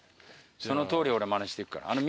そのとおり俺まねしていくから。